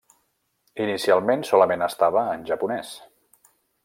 Inicialment solament estava en japonès.